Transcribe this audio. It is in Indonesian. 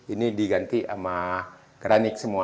ini diganti sama keranik semua